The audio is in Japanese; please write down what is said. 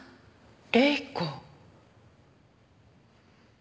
麗子。